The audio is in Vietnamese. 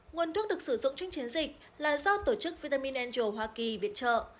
nguồn thuốc được sử dụng trong chiến dịch là do tổ chức vitamin angel hoa kỳ viện trợ